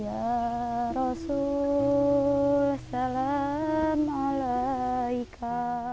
ya rasul salaam alaika